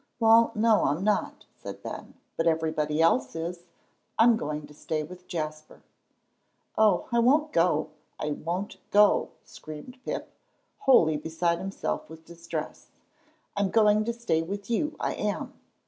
"Well, no, I'm not," said Ben, "but everybody else is; I'm going to stay with Jasper." "Oh, I won't go! I won't go!" screamed Pip, wholly beside himself with distress. "I'm going to stay with you, I am."